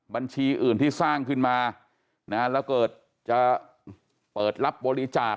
บัญชีอื่นที่สร้างขึ้นมานะแล้วเกิดจะเปิดรับบริจาค